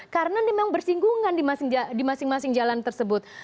karena dia memang bersinggungan di masing masing jalan tersebut